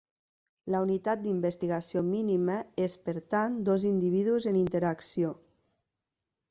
La unitat d'investigació mínima és, per tant, dos individus en interacció.